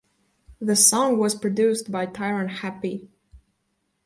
The song was produced by Tyron Hapi.